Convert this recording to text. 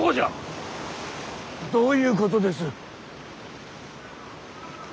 どういうことです。